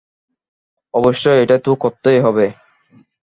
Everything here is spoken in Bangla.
অবশ্যই এটা তো করতেই হবে।